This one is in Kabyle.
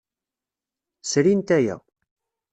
Srint aya.